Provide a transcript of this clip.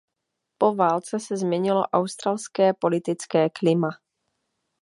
Po válce se změnilo australské politické klima.